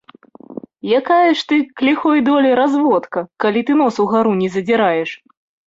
Якая ж ты, к ліхой долі, разводка, калі ты нос угару не задзіраеш!